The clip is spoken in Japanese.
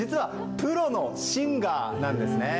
プロのシンガーなんです。